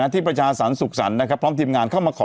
ที่ประชาสรรสุขสรรค์พร้อมทีมงานเข้ามาขอ